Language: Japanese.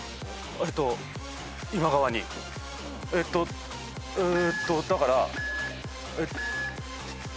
えっとえーっとだから。